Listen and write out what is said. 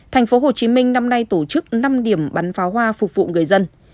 tp hcm năm nay tổ chức năm điểm bắn pháo hoa phục vụ người dân